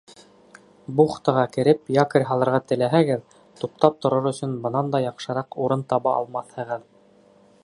Бухтаға кереп якорь һалырға теләһәгеҙ, туҡтап торор өсөн бынан да яҡшыраҡ урын таба алмаҫһығыҙ.